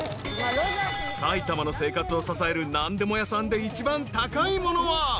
［埼玉の生活を支える何でも屋さんで一番高いものは］